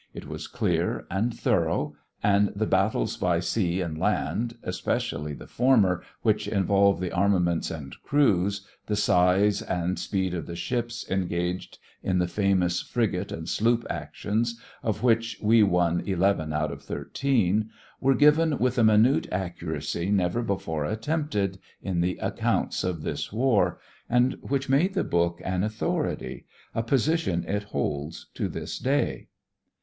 It was clear and thorough, and the battles by sea and land, especially the former, which involved the armaments and crews, the size and speed of the ships engaged in the famous frigate and sloop actions, of which we won eleven out of thirteen, were given with a minute accuracy never before attempted in the accounts of this war, and which made the book an authority, a position it holds to this day.